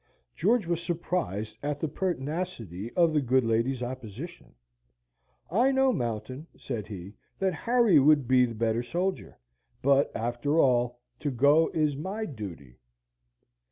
George was surprised at the pertinacity of the good lady's opposition. "I know, Mountain," said he, "that Harry would be the better soldier; but, after all, to go is my duty."